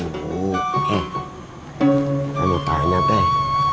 aku mau tanya pak